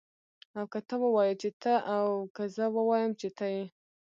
او که ته ووايي چې ته او که زه ووایم چه ته يې